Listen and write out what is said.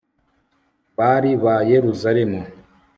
bari ba yeruzalemu